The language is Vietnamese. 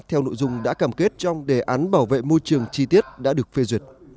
theo nội dung đã cam kết trong đề án bảo vệ môi trường chi tiết đã được phê duyệt